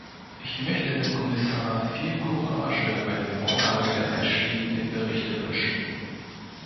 Ich möchte dem Kommissar viel Courage bei der Vorlage der einschlägigen Berichte wünschen.